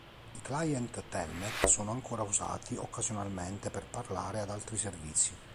I client Telnet sono ancora usati occasionalmente per "parlare" ad altri servizi.